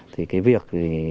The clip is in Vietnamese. thì cái việc